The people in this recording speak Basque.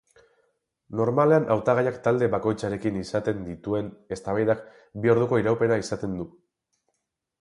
Normalean hautagaiak talde bakoitzarekin izaten dituen eztabaidak bi orduko iraupena izaten du.